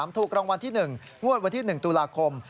ถูกรางวัลที่๑งวดวันที่๑ตุลาคม